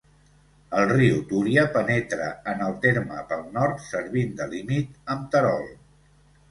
El riu Túria penetra en el terme pel nord, servint de límit amb Terol.